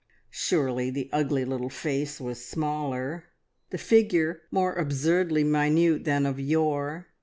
Surely the ugly little face was smaller, the figure more absurdly minute than of yore!